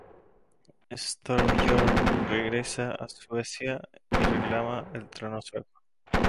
Styrbjörn regresa a Suecia y reclama el trono sueco.